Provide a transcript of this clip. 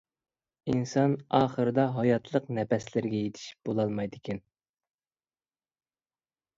ئىنسان ئاخىرىدا ھاياتلىق نەپەسلىرىگە يېتىشىپ بولالمايدىكەن.